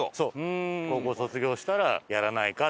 「高校卒業したらやらないか？」